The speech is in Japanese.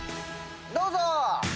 どうぞ！